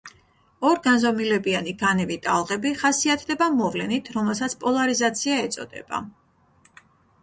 ორგანზომილებიანი განივი ტალღები ხასიათდება მოვლენით, რომელსაც პოლარიზაცია ეწოდება.